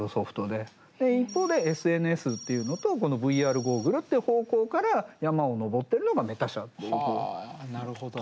で一方でＳＮＳっていうのとＶＲゴーグルっていう方向から山を登ってるのがメタ社っていうふうに。はなるほど。